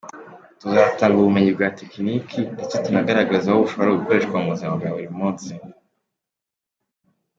Tuzatanga ubumenyi bwa tekiniki, ndetse tunagaragaze aho bushobora gukoreshwa mu buzima bwa buri munsi.